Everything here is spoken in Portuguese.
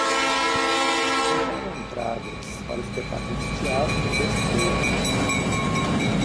Comprar entradas para o espetáculo de teatro de terça-feira